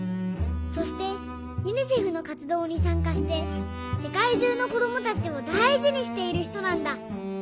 そしてユニセフのかつどうにさんかしてせかいじゅうのこどもたちをだいじにしているひとなんだ。